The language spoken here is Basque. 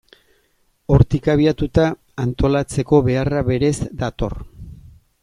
Hortik abiatuta, antolatzeko beharra berez dator.